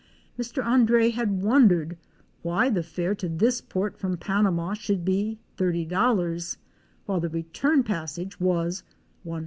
Mr. André had wondered why the fare to this port from Panama should be $30 — while the return passage was $100.